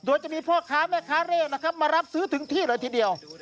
โดยจะมีพ่อค้าแม่ค้าเลขนะครับมารับซื้อถึงที่เลยทีเดียว